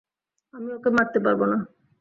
আমি ওকে মারতে পারবো না।